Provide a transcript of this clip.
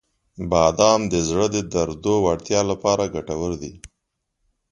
• بادام د زړه د دردو وړتیا لپاره ګټور دي.